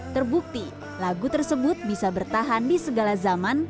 terbukti lagu tersebut bisa bertahan di segala zaman